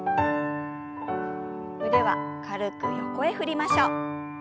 腕は軽く横へ振りましょう。